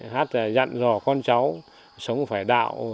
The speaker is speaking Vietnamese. hát là dặn dò con cháu sống phải đạo